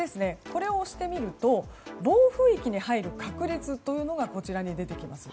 これを押してみると暴風域に入る確率がこちらに出てきます。